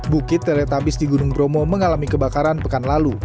bukit teletabis di gunung bromo mengalami kebakaran pekan lalu